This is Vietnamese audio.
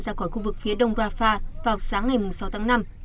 ra khỏi khu vực phía đông rafah vào sáng ngày sáu tháng năm